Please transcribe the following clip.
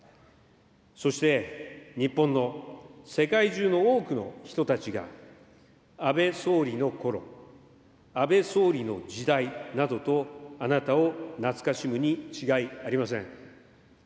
そして日本の、世界中の多くの人たちが、安倍総理のころ、安倍総理の時代などと、あなたを懐かしむに違いありません。